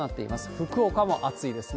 福岡も暑いですね。